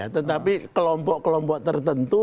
tetapi kelompok kelompok tertentu